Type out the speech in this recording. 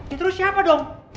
itu lu siapa dong